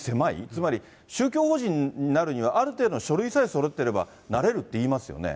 つまり、宗教法人になるには、ある程度の書類さえそろっていれば、なれるっていいますよね。